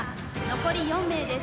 残り４名です。